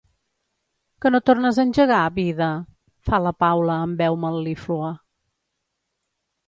Que no tornes a engegar, vida? –fa la Paula, amb veu mel·líflua–.